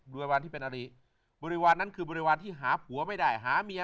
ริวารที่เป็นอริบริวารนั้นคือบริวารที่หาผัวไม่ได้หาเมีย